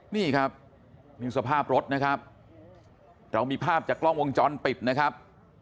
นี่ครับนี่สภาพรถนะครับเรามีภาพจากกล้องวงจรปิดนะครับ